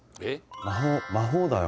魔法だよ